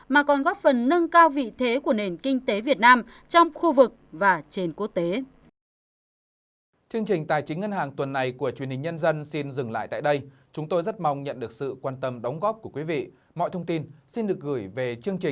mà còn góp phần nâng cao vị thế của nền kinh tế việt nam trong khu vực và trên quốc tế